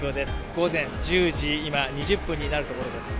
今、午前１０時２０分になるところです。